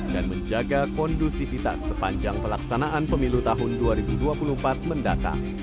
dan menjaga kondusivitas sepanjang pelaksanaan pemilu tahun dua ribu dua puluh empat mendatang